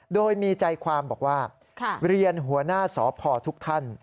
โดยมีใจความบอกว่าเรียนหัวหน้าสพทุกท่าน